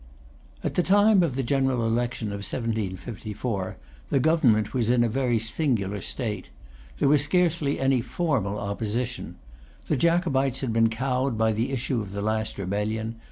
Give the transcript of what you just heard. At the time of the general election of 1754, the Government was in a very singular state. There was scarcely any formal opposition. The Jacobites had been cowed by the issue of the last rebellion.